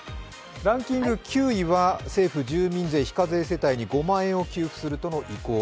ランキング９位は政府、住民税非課税世帯に５万円を給付するとの意向。